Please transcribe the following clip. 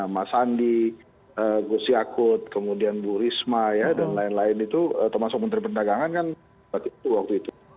mas andi gus yakut kemudian bu risma ya dan lain lain itu termasuk menteri perdagangan kan waktu itu